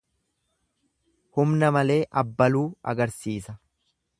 Humna malee abbaluu agarsiisa.